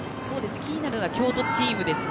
気になるのは京都チームですね。